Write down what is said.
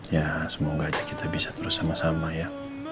ya semoga aja kita bisa terus sama sama ya